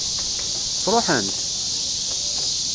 Sṛuḥen-t?